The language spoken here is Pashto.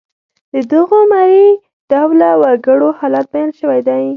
د دغو مري ډوله وګړو حالت بیان شوی دی.